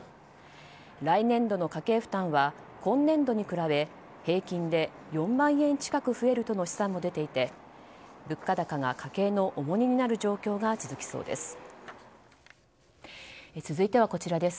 来年度の家計負担は今年度に比べ平均で４万円近く増えるとの試算も出ていて物価高が家計の重荷になる状況が続きそうです。